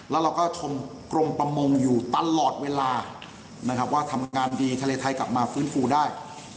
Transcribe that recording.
แล้วเราก็ชมกรมประมงอยู่ตลอดเวลานะครับว่าทำงานดีทะเลไทยกลับมาฟื้นฟูได้